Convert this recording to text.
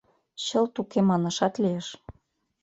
— Чылт уке манашат лиеш.